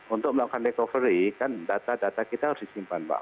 untuk melakukan recovery kan data data kita harus disimpan pak